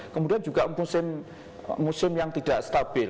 kemudian juga musim yang tidak stabil